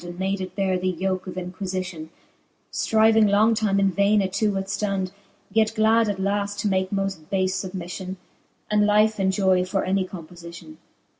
And made it beare the yoke of inquiiitlon, Stryving long time in vaine it to withftond ; Yet glad at laft to make moft bafe fubmiflion, And life enjoy for any compofition.